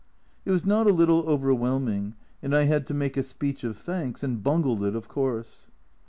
It was not a little overwhelming, and I had to make a speech of thanks, and bungled it, of course.